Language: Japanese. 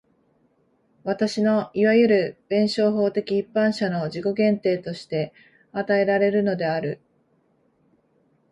私のいわゆる弁証法的一般者の自己限定として与えられるのである。